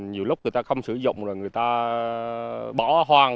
nhiều lúc người ta không sử dụng rồi người ta bỏ hoang